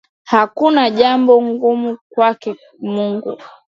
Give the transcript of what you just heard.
Hakuna jambo gumu kwake Mungu.